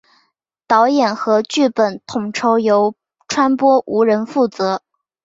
导演和剧本统筹由川波无人负责。